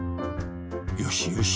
よしよし。